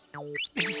えっ。